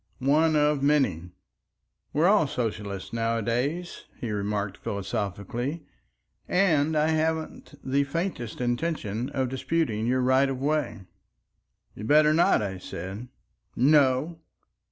"One of many." "We're all socialists nowadays," he remarked philosophically, "and I haven't the faintest intention of disputing your right of way." "You'd better not," I said. "No!"